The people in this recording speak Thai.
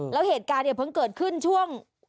แล้วเหตุการณ์เนี่ยเพิ่งเกิดขึ้นช่วง